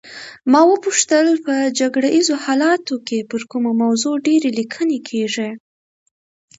ما وپوښتل په جګړه ایزو حالاتو کې پر کومه موضوع ډېرې لیکنې کیږي.